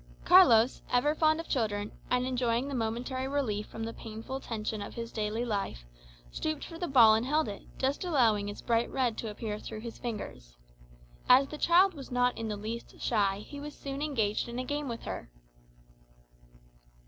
Carlos, ever fond of children, and enjoying the momentary relief from the painful tension of his daily life, stooped for the ball and held it, just allowing its bright red to appear through his fingers. As the child was not in the least shy, he was soon engaged in a game with her.